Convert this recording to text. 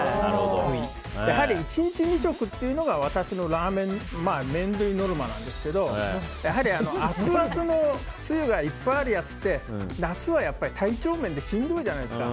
やはり１日２食というのが麺類ノルマなんですけどやはりアツアツのつゆがいっぱいあるやつって夏はやっぱり体調面でしんどいじゃないですか。